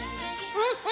うん！